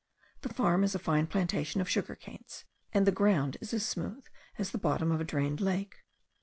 The farm is a fine plantation of sugar canes; and the ground is as smooth as the bottom of a drained lake.